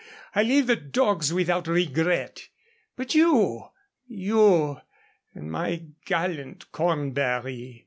I leave the dogs without regret. But you, you and my gallant Cornbury."